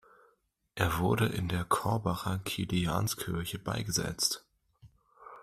Er wurde in der Korbacher Kilianskirche beigesetzt.